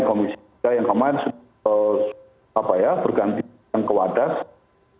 komisi juga yang kemarin apa ya bergantian ke wadah